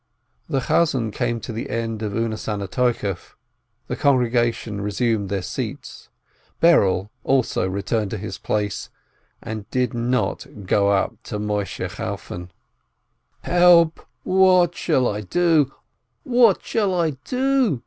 The cantor came to the end of U Nesanneh Toikef, the congregation resumed their seats, Berel also returned to his place, and did not go up to Moisheh Chalfon. 14 206 EOSENTHAL "Help, what shall I do, what shall I do